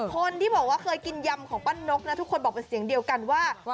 คนที่บอกว่าเคยกินยำของปั้นนกนะทุกคนบอกเป็นเสียงเดียวกันว่า